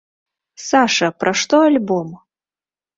Саша, пра што альбом?